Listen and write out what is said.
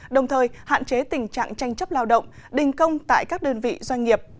đồng thời hạn chế tình trạng tranh chấp lao động đình công tại các đơn vị doanh nghiệp